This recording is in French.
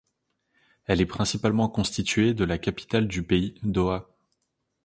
Elle est principalement constituée de la capitale du pays, Doha.